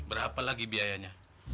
berapa lagi biayanya